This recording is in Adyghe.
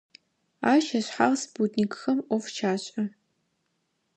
Ащ ышъхьагъ спутникхэм Ӏоф щашӀэ.